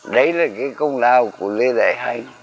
đấy là cái công đạo của lê đại hành